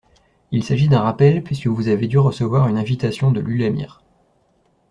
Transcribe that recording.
Il s’agit d’un rappel puisque vous avez dû recevoir une invitation de l’ULAMIR.